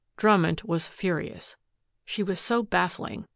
Drummond was furious. She was so baffling.